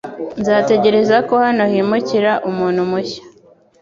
Nzategereza ko hano himukira umuntu mushya .